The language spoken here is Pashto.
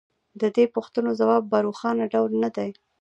د دې پوښتنو ځواب په روښانه ډول نه دی